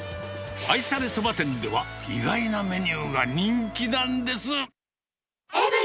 愛されそば店では、意外なメニューが人気なんです。